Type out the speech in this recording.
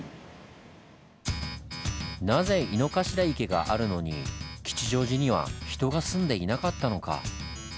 なぜ井の頭池があるのに吉祥寺には人が住んでいなかったのか？